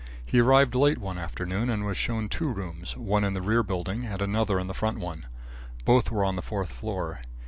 He arrived late one afternoon and was shown two rooms, one in the rear building and another in the front one. Both were on the fourth floor.